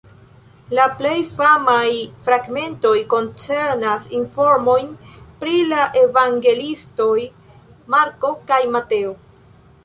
La plej famaj fragmentoj koncernas informojn pri la evangeliistoj Marko kaj Mateo.